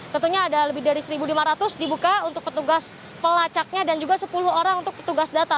tentunya ada lebih dari satu lima ratus dibuka untuk petugas pelacaknya dan juga sepuluh orang untuk petugas data